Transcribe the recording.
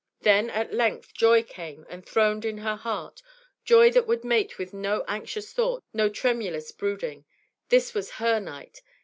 Then at length joy came and throned in her heart, joy that would mate with no anxious thought, no tremulous brooding. This was her night!